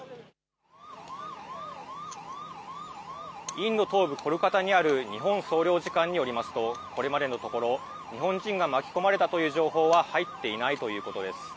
インド東部コルカタにある日本総領事館によりますと、これまでのところ、日本人が巻き込まれたという情報は入っていないということです。